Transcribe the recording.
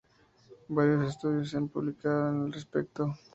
Varios estudios se han publicado al respecto.